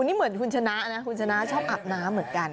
นี่เหมือนคุณชนะนะคุณชนะชอบอาบน้ำเหมือนกัน